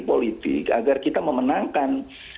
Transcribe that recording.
politik agar kita memenangkan